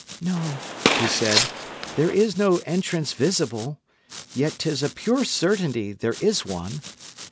"No," he said, "there is no entrance visible. Yet 'tis a pure certainty there is one.